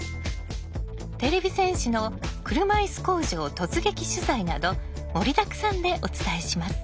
てれび戦士の車いす工場突撃取材など盛りだくさんでお伝えします。